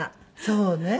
そうね。